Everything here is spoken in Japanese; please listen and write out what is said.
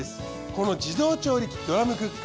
この自動調理器ドラムクック。